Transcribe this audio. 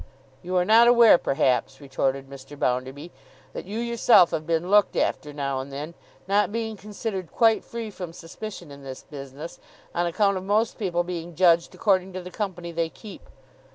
You are not aware perhaps,' retorted Mr. Bounderby, 'that you yourself have been looked after now and then, not being considered quite free from suspicion in this business, on account of most people being judged according to the company they keep.